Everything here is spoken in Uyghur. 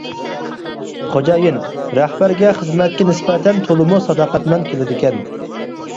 خوجايىن، رەھبەرگە، خىزمەتكە نىسبەتەن تولىمۇ ساداقەتمەن كېلىدىكەن.